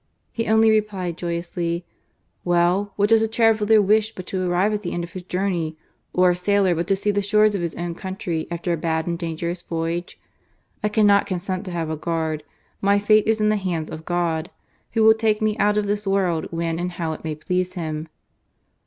He only replied joyously :" Well ! what does a traveller wish but to arrive at the end of his journey ? or a sailor but to see the shores of his own country after a bad and dangerous voyage? I cannot consent to have a guard. My fate is in the hands of God, Who will take me out of this world when and how it may please Him."